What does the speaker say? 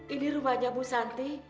ini rumahnya bu santi